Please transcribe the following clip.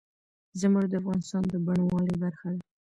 زمرد د افغانستان د بڼوالۍ برخه ده.